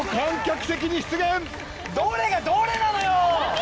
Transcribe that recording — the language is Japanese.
どれがどれなのよ！